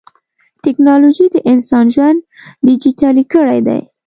ټکنالوجي د انسان ژوند ډیجیټلي کړی دی.